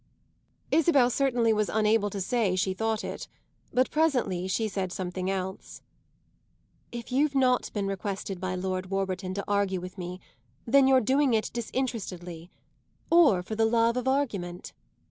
Isabel certainly was unable to say she thought it; but presently she said something else. "If you've not been requested by Lord Warburton to argue with me, then you're doing it disinterestedly or for the love of argument."